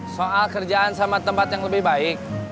soal kerjaan sama tempat yang lebih baik